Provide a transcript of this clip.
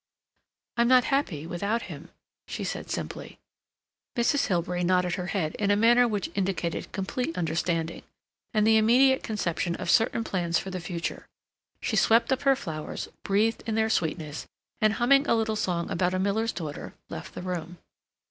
"I'm not happy without him," she said simply. Mrs. Hilbery nodded her head in a manner which indicated complete understanding, and the immediate conception of certain plans for the future. She swept up her flowers, breathed in their sweetness, and, humming a little song about a miller's daughter, left the room.